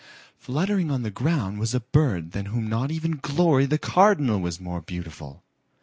Fluttering on the ground was a bird than whom not even Glory the Cardinal was more beautiful.